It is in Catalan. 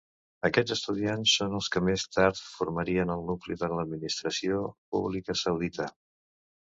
Aquests estudiants són els que més tard formarien el nucli de l'administració pública saudita.